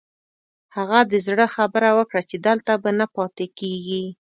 هغه د زړه خبره وکړه چې دلته به نه پاتې کېږي.